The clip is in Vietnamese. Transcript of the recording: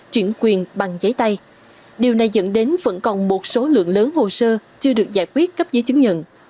chuyển quyền bằng giấy tay điều này dẫn đến vẫn còn một số lượng lớn hồ sơ chưa được giải quyết cấp giấy chứng nhận